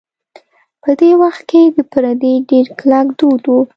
په دې وخت کې د پردې ډېر کلک دود و.